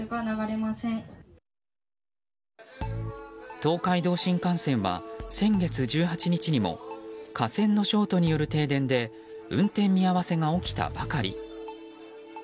東海道新幹線は先月１８日も架線のショートによる停電で運転見合わせが起きたばかり。